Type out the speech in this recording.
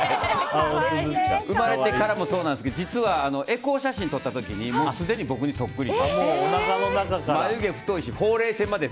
生まれてからもそうなんですけど実は、エコー写真撮った時にすでに僕にそっくりで。